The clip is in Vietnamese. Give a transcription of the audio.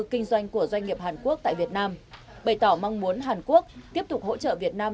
kinh doanh của doanh nghiệp hàn quốc tại việt nam bày tỏ mong muốn hàn quốc tiếp tục hỗ trợ việt nam